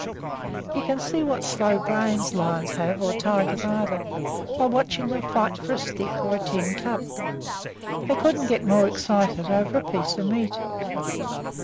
You can see what slow brains lions have, or tigers either, by watching them fight for a stick or a tin cup. They couldn't get more excited over a piece of meat.